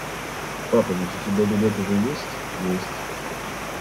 Папа, ведь у тебя билет уже есть? – Есть.